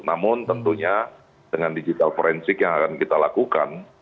namun tentunya dengan digital forensik yang akan kita lakukan